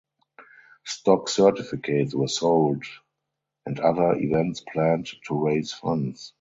Stock certificates were sold and other events planned to raise funds.